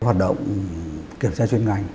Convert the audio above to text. hoạt động kiểm tra chuyên ngành